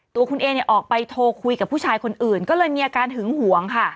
ตัวคุณเอเนี่ยออกไปโทรคุยกับผู้ชายคนอื่นก็เลยมีอาการหึงหวงค่ะ